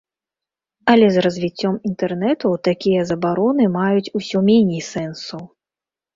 Але з развіццём інтэрнэту такія забароны маюць усё меней сэнсу.